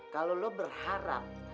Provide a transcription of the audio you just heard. kalau lo berharap